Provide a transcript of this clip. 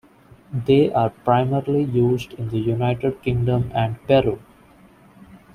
They are primarily used in the United Kingdom and Peru.